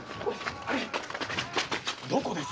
どこです？